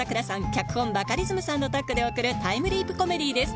脚本バカリズムさんのタッグで送るタイムリープコメディーです